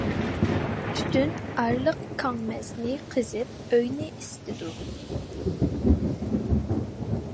تۈتۈن ئارقىلىق كاڭمەنزە قىزىپ ئۆينى ئىسسىتىدۇ.